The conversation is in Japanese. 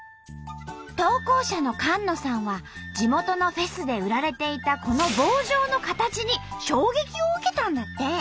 投稿者の菅野さんは地元のフェスで売られていたこの棒状の形に衝撃を受けたんだって！